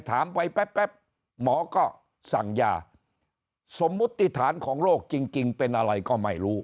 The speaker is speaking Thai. ถามไปแป๊บหมอก็สั่งยาสมมุติฐานของโรคจริงเป็นอะไรก็ไม่รู้